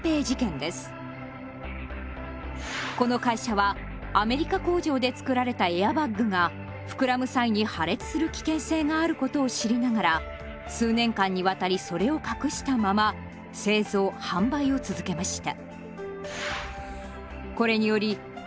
この会社はアメリカ工場で作られたエアバッグが膨らむ際に破裂する危険性があることを知りながら数年間にわたりそれを隠したまま製造・販売を続けました。